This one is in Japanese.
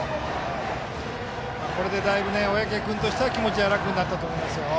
これでだいぶ小宅君としては気持ちは楽になったと思いますよ。